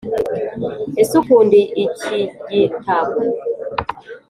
ese ukunda ikigitabo?